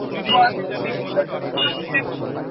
রাজবীর সে পালানোর চেষ্টা করছিল।